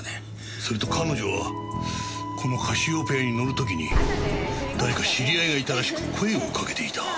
それと彼女はこのカシオペアに乗る時に誰か知り合いがいたらしく声をかけていた。